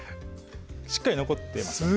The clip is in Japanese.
しっかり残ってますか？